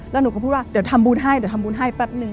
แล้วหนูก็พูดว่าเดี๋ยวทำบุญให้แป๊บหนึ่ง